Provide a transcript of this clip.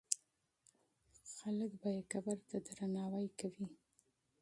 خلک به یې قبر ته درناوی کوي.